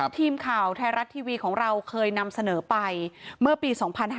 ทีมข่าวไทยรัฐทีวีของเราเคยนำเสนอไปเมื่อปี๒๕๕๙